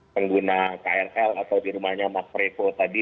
pengguna krl atau di rumahnya mas revo tadi